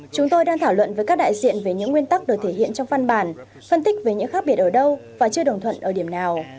chúng tôi đang thảo luận với các đại diện về những nguyên tắc được thể hiện trong văn bản phân tích về những khác biệt ở đâu và chưa đồng thuận ở điểm nào